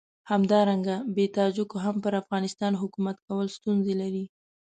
همدارنګه بې تاجکو هم پر افغانستان حکومت کول ستونزې لري.